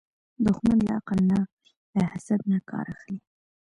دښمن له عقل نه، له حسد نه کار اخلي